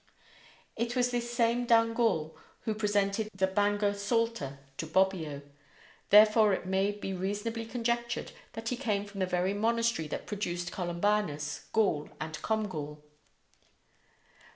It was this same Dungal who presented the Bangor psalter to Bobbio; therefore it may be reasonably conjectured that he came from the very monastery that produced Columbanus, Gall, and Comgall.